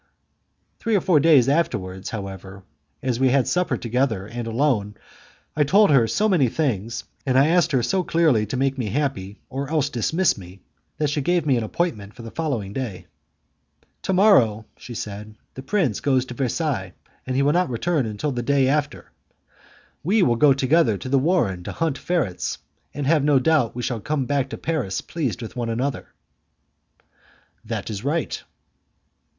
Three or four days afterwards, however, as we had supper together and alone, I told her so many things, and I asked her so clearly to make me happy or else to dismiss me, that she gave me an appointment for the next day. "To morrow," she said, "the prince goes to Versailles, and he will not return until the day after; we will go together to the warren to hunt ferrets, and have no doubt we shall come back to Paris pleased with one another." "That is right."